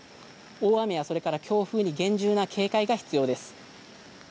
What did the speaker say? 大雨や強風に厳重な警戒が必要です。